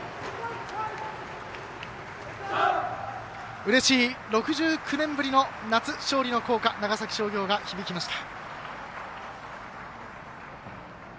うれしい６９年ぶりの夏勝利の校歌長崎商業が響きました。